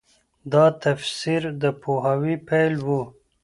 دا تفسیر د پوهاوي پيل و.